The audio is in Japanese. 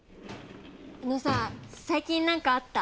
あのさ最近なんかあった？